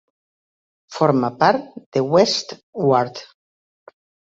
Forma part de West Ward.